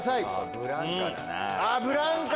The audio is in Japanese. ブランカ！